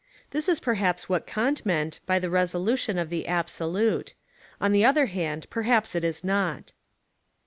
This is perhaps what Kant meant by the resolution of the absolute. On the other hand, perhaps it is not.